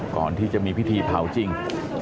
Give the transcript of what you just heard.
ก่อนที่จะมีพิธีเผาจริง